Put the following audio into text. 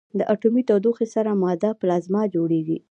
د اټومي تودوخې سره ماده پلازما جوړېږي.